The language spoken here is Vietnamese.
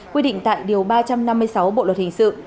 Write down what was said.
quy định tại điều ba trăm năm mươi sáu bộ luật hình sự